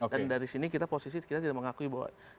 dan dari sini kita tidak mengakui bahwa